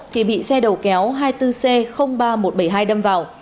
thì bị xe đầu kéo hai mươi bốn c ba nghìn một trăm bảy mươi hai đâm vào